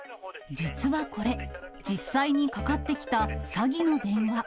実はこれ、実際にかかってきた詐欺の電話。